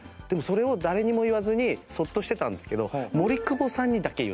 でもそれを誰にも言わずにそっとしてたんですけど。